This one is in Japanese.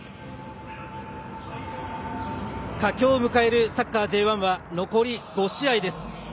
佳境を迎えるサッカーＪ１は残り５試合です。